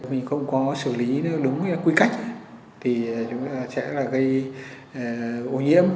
mình không có xử lý đúng quy cách thì chúng ta sẽ gây ổ nhiễm